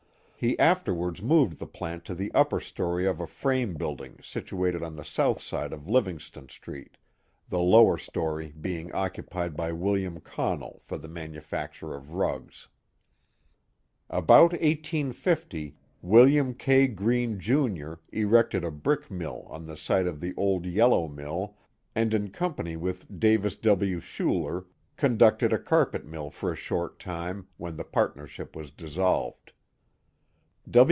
He afterwards moved the plant to the upper story of a frame building situ ated on the south side of Livingston Street, the lower storj* being occupied by William Connell for the manufacture of rugs. About 1850, William K. Greene, Jr., erected a brick mill on the site of the old yellow mill, and in company with Davis W. Shuler conducted a carpet mill for a short time, when the partnership was dissolved.